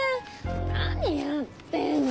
何やってんの。